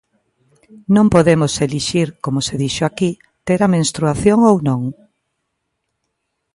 Non podemos elixir –como se dixo aquí– ter a menstruación ou non.